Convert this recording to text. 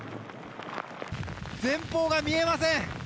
前方が見えません。